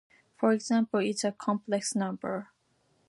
For example, is a complex number.